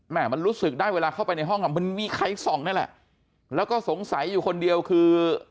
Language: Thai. มันรู้สึกได้เวลาเข้าไปในห้องอ่ะมันมีใครส่องนั่นแหละแล้วก็สงสัยอยู่คนเดียวคือ